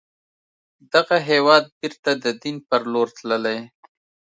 دغه هېواد بیرته د دين پر لور تللی